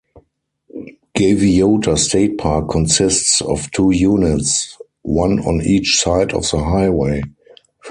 Gaviota State Park consists of two units, one on each side of the highway.